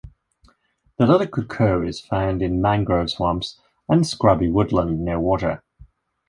The little cuckoo is found in mangrove swamps, and scrubby woodland near water.